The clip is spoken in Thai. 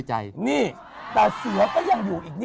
ชุดลายเสือของคุณ